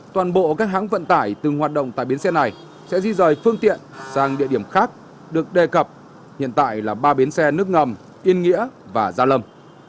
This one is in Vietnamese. toàn bộ các hãng vận tải từng hoạt động tại bến xe này sẽ di rời phương tiện sang địa điểm khác được đề cập hiện tại là ba bến xe nước ngầm yên nghĩa và gia lâm